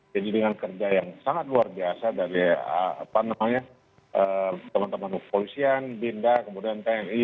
jadi dengan kerja yang sangat luar biasa dari teman teman posisian binda kemudian tni